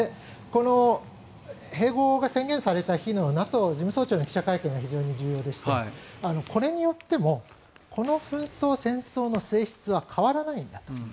この併合が宣言された日のＮＡＴＯ事務総長の記者会見が非常に重要でしてこれによってもこの紛争、戦争の性質は変わらないんだと。